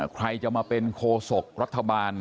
ใครจะมาเป็นโคศกรัฐบาล